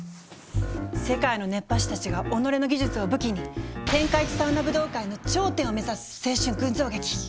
世界の熱波師たちが己の技術を武器に「天下一サウナ武道会」の頂点を目指す青春群像劇！